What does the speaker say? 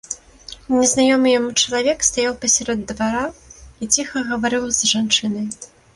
Незнаёмы яму чалавек стаяў пасярод двара і ціха гаварыў з жанчынай.